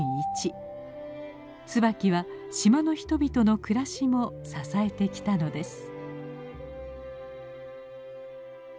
ツバキは島の人々の暮らしも支えてきたのです。